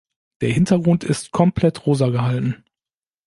Der Hintergrund ist komplett rosa gehalten.